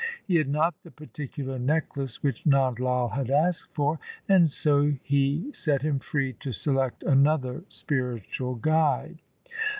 He had not the particular necklace which Nand Lai had asked for, and so he set him free to select another spiritual guide.